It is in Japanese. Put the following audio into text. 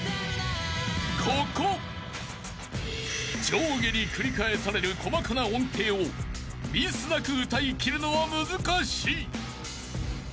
［上下に繰り返される細かな音程をミスなく歌いきるのは難しい］